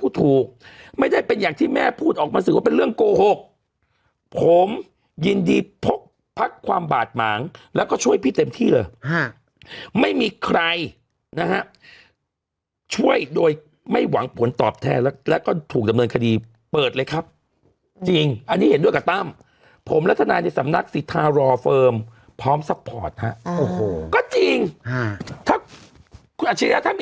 พูดถูกไม่ได้เป็นอย่างที่แม่พูดออกมาสื่อว่าเป็นเรื่องโกหกผมยินดีพกพักความบาดหมางแล้วก็ช่วยพี่เต็มที่เลยฮะไม่มีใครนะฮะช่วยโดยไม่หวังผลตอบแทนแล้วก็ถูกดำเนินคดีเปิดเลยครับจริงอันนี้เห็นด้วยกับตั้มผมและทนายในสำนักสิทธารอเฟิร์มพร้อมซัพพอร์ตฮะโอ้โหก็จริงถ้าคุณอัชริยะ